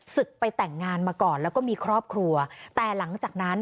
ศึกไปแต่งงานมาก่อนแล้วก็มีครอบครัวแต่หลังจากนั้น